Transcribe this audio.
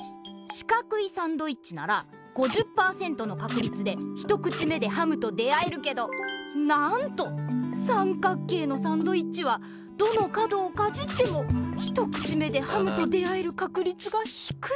しかくいサンドイッチなら５０％のかくりつで一口目でハムと出会えるけどなんとさんかく形のサンドイッチはどの角をかじっても一口目でハムと出会えるかくりつがひくいんだ。